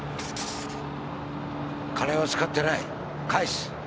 金は使ってない返す。